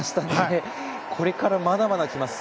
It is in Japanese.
これからまだまだきます。